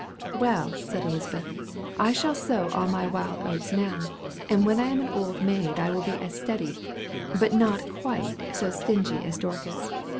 "Well," said Elizabeth, "I shall sow all my wild oats now, and when I am an old maid I will be as steady, but not quite so stingy as Dorcas.